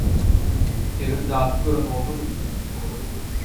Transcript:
Eger dadyp gören bolsadyk